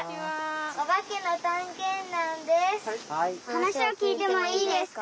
はなしをきいてもいいですか？